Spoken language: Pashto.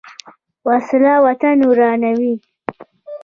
وسله وطن ورانوي